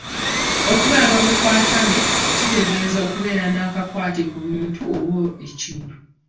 Okubeera n'obukwatane kitegeeza okubeera n'akakwate ku muntu oba ekintu.